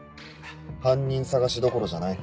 犯人捜しどころじゃない。